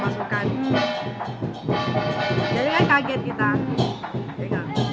dulu sih kita kan tidak tahu apa apa lain lain kan termasuk kan